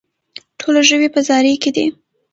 ټوله ژوي په زاري کې دي.